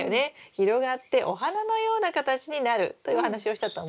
広がってお花のような形になるというお話をしたと思うんですが。